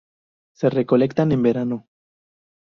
Se recolectan en verano.